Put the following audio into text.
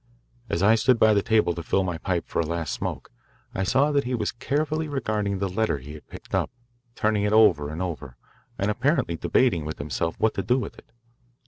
As I stood by the table to fill my pipe for a last smoke, I saw that he was carefully regarding the letter he had picked up, turning it over and over, and apparently debating with himself what to do with it.